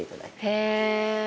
へえ。